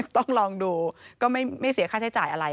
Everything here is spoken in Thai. ต้องลองดูก็ไม่เสียค่าใช้จ่ายอะไร